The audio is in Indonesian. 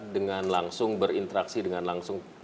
dengan langsung berinteraksi dengan langsung